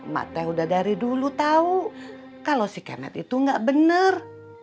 matnya udah dari dulu tau kalau si kemet itu gak bener